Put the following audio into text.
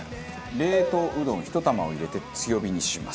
冷凍うどん１玉を入れて強火にします。